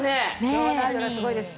昭和のアイドルはすごいです。